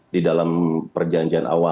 di dalam pengembangan itu sudah susah